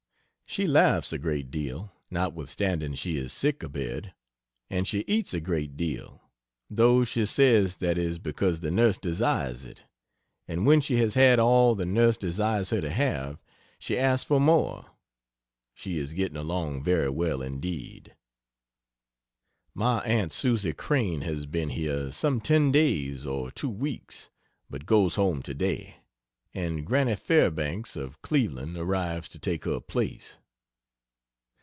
She laughs a great deal, notwithstanding she is sick abed. And she eats a great deal, though she says that is because the nurse desires it. And when she has had all the nurse desires her to have, she asks for more. She is getting along very well indeed. My aunt Susie Crane has been here some ten days or two weeks, but goes home today, and Granny Fairbanks of Cleveland arrives to take her place.